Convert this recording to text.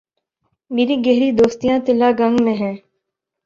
میری گہری دوستیاں تلہ گنگ میں ہیں۔